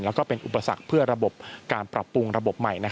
แล้วก็เป็นอุปสรรคเพื่อระบบการปรับปรุงระบบใหม่